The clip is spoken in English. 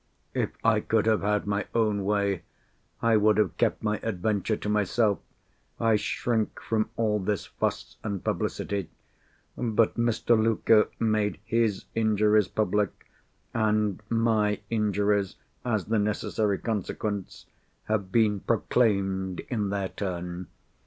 If I could have had my own way, I would have kept my adventure to myself—I shrink from all this fuss and publicity. But Mr. Luker made his injuries public, and my injuries, as the necessary consequence, have been proclaimed in their turn.